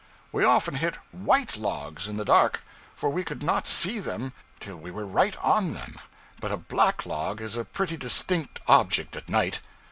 We often hit _white _logs, in the dark, for we could not see them till we were right on them; but a black log is a pretty distinct object at night.